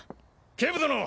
警部殿！